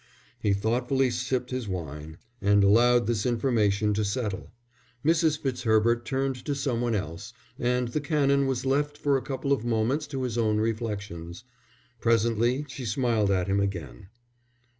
He thoughtfully sipped his wine and allowed this information to settle. Mrs. Fitzherbert turned to somebody else, and the Canon was left for a couple of moments to his own reflections. Presently she smiled at him again.